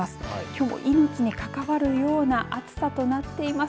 きょう、命に関わるような暑さとなっています。